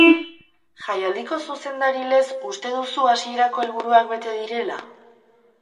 Jaialdiko zuzendari lez uste duzu hasierako helburuak bete direla?